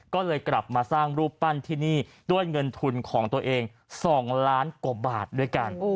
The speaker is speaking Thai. ก็เลยกลับมาสร้างรูปปั้นที่นี่ด้วยเงินทุนของตัวเอง๒ล้านกว่าบาทด้วยกัน